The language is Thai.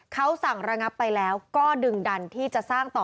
เขาสั่งระงับไปแล้วก็ดึงดันที่จะสร้างต่อ